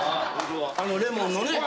・あのレモンのね。